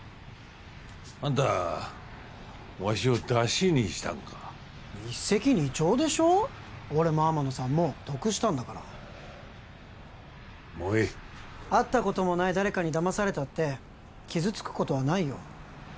あんたわしをダシにしたんか一石二鳥でしょ俺も天野さんも得したんだからもういい会ったこともない誰かに騙されたって傷つくことはないよ